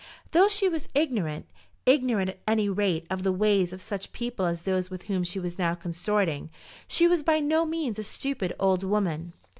Though she was ignorant, ignorant at any rate of the ways of such people as those with whom she was now consorting, she was by no means a stupid old woman.